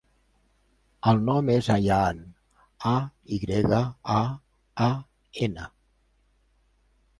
El nom és Ayaan: a, i grega, a, a, ena.